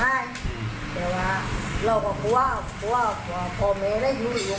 ไปช่วงกลัวเหมือนกัน